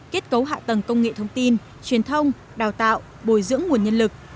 kết cấu hạ tầng công nghệ thông tin truyền thông đào tạo bồi dưỡng nguồn nhân lực